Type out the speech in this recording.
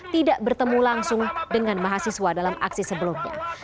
tidak bertemu langsung dengan mahasiswa dalam aksi sebelumnya